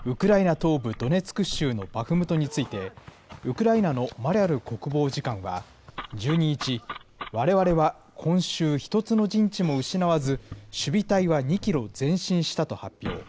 東部ドネツク州のバフムトについて、ウクライナのマリャル国防次官は１２日、われわれは今週、１つの陣地も失わず、守備隊は２キロ前進したと発表。